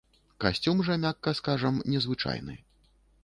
Касцюм жа, мякка скажам, незвычайны.